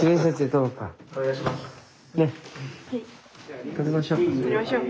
撮りましょう。